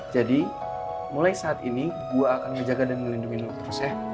jadi mulai saat ini gue akan menjaga dan melindungi lo terus ya